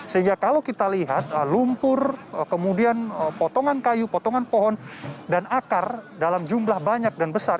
sehingga kalau kita lihat lumpur kemudian potongan kayu potongan pohon dan akar dalam jumlah banyak dan besar